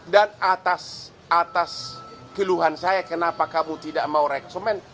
dan atas atas keluhan saya kenapa kamu tidak mau reksomen